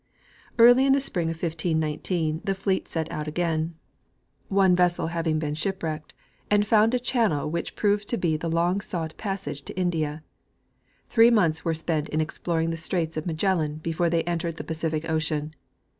Early in the spring of 1519 the fleet set out again, one vessel The Voyage of Magellan. 11 having been shipwrecked, and found a channel which proved to be the long sought passage to India. Three months were spent in exploring the straits of Magellan before they entered the Pacific ocean.